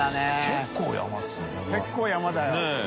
結構山だよ。